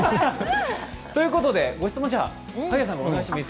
ということでご質問、萩谷さんからお願いします。